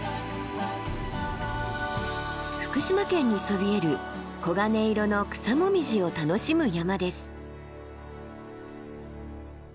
福島県にそびえる黄金色の草紅葉を楽しむ山です。